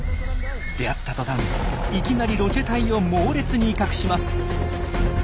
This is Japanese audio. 出会ったとたんいきなりロケ隊を猛烈に威嚇します。